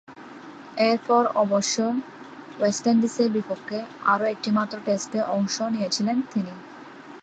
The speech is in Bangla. এরপর অবশ্য ওয়েস্ট ইন্ডিজের বিপক্ষে আর একটিমাত্র টেস্টে অংশ নিয়েছিলেন তিনি।